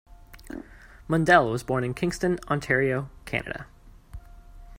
Mundell was born in Kingston, Ontario, Canada.